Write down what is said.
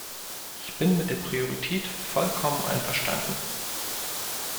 Ich bin mit der Priorität vollkommen einverstanden.